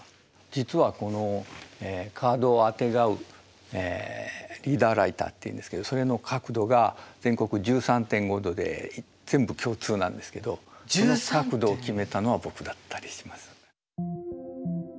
実はこのカードをあてがうリーダーライターっていうんですけどそれの角度が全国１３．５度で全部共通なんですけどこの角度を決めたのは僕だったりします。